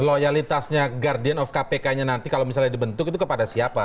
loyalitasnya guardian of kpk nya nanti kalau misalnya dibentuk itu kepada siapa